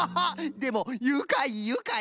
でもゆかいゆかい！